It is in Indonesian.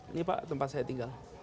ini pak tempat saya tinggal